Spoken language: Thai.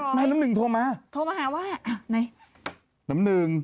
อุ๊ยแม่น้ำหนึ่งโทรมาว่าน้ำหนึ่ง